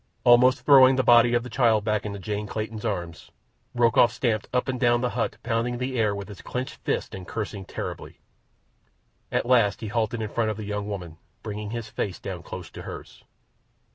Almost throwing the body of the child back into Jane Clayton's arms, Rokoff stamped up and down the hut, pounding the air with his clenched fists and cursing terribly. At last he halted in front of the young woman, bringing his face down close to hers.